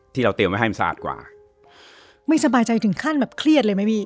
ที่เราเตรียมไว้ให้มันสะอาดกว่าไม่สบายใจถึงขั้นแบบเครียดเลยไหมพี่